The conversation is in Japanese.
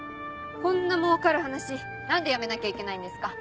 こんな儲かる話何でやめなきゃいけないんですか。